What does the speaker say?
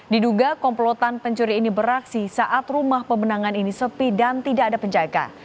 diduga komplotan pencuri ini beraksi saat rumah pemenangan ini sepi dan tidak ada penjaga